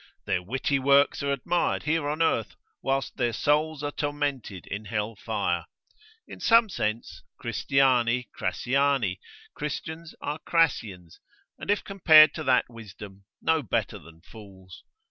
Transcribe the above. Their witty works are admired here on earth, whilst their souls are tormented in hell fire. In some sense, Christiani Crassiani, Christians are Crassians, and if compared to that wisdom, no better than fools.